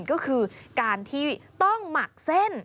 ก็คือการที่ต้องหมักเส้น